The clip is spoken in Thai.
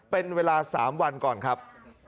เป็นเวลา๓วันก่อนครับ